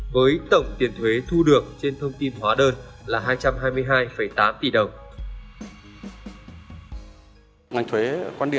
với tổng tiền thuế thu được trên thông tin hóa đơn